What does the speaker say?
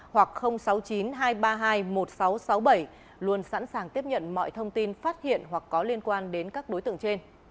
hai trăm ba mươi bốn năm nghìn tám trăm sáu mươi hoặc sáu mươi chín hai trăm ba mươi hai một nghìn sáu trăm sáu mươi bảy luôn sẵn sàng tiếp nhận mọi thông tin phát hiện hoặc có liên quan đến các đối tượng trên